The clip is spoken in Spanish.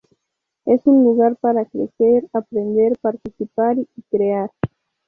Es un lugar para crecer, aprender, participar y crear.